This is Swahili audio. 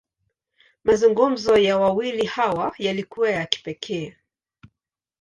Mazungumzo ya wawili hawa, yalikuwa ya kipekee.